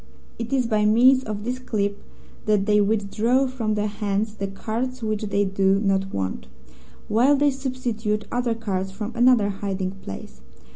It is by means of this clip that they withdraw from their hands the cards which they do not want, while they substitute other cards from another hiding place.